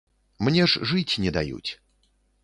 Мне ж жыць не даюць.